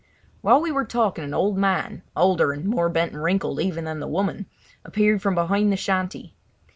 While we were talking an old man—older and more bent and wrinkled even than the woman—appeared from behind the shanty.